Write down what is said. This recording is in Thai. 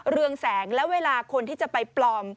เรืองแสงแล้วเวลาคนที่จะไปปลอม